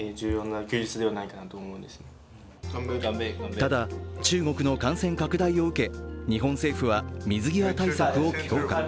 ただ、中国の感染拡大を受け日本政府は水際対策を強化。